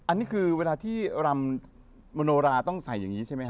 อันนี้คือเวลาที่รำมโนราต้องใส่อย่างนี้ใช่ไหมครับ